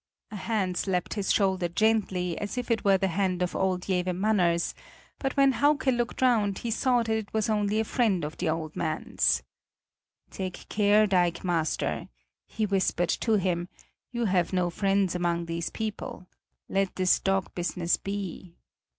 A hand slapped his shoulder gently, as if it were the hand of old Jewe Manners, but when Hauke looked round, he saw that it was only a friend of the old man's. "Take care, dikemaster!" he whispered to him. "You have no friends among these people; let this dog business be!"